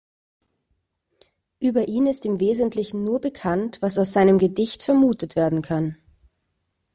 Über ihn ist im Wesentlichen nur bekannt, was aus seinem Gedicht vermutet werden kann.